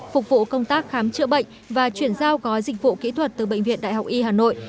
phục vụ công tác khám chữa bệnh và chuyển giao gói dịch vụ kỹ thuật từ bệnh viện đại học y hà nội